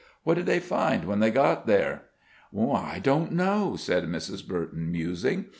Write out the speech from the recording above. What did they find when they got there?" "I don't know," said Mrs. Burton, musing.